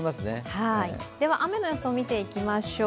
では雨の予想、見ていきましょう。